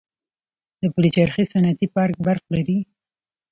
د پلچرخي صنعتي پارک برق لري؟